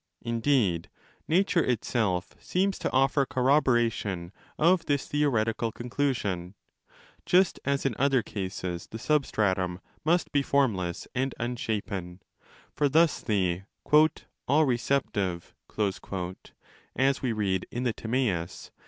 Indeed, nature itself seems to offer corroboration of this theoretical con clusion. Just as in other cases the substratum must be formless and unshapen—for thus the 'all receptive', as we read in the Z7zmaeus